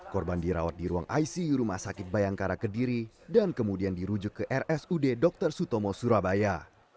korban dirawat di ruang icu rumah sakit bayangkara kediri dan kemudian dirujuk ke rsud dr sutomo surabaya